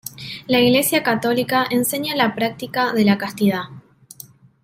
La Iglesia católica enseña la práctica de la castidad.